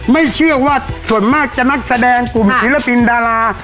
ไม่เชื่อว่าส่วนมากจะนักแสดงกลุ่มศิลปินดารา